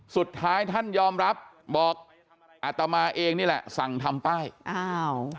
สุดท้ายท่านยอมรับบอกอัตมาเองนี่แหละสั่งทำป้ายอ้าว